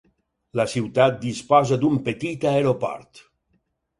La ciutat disposa d'un petit aeroport.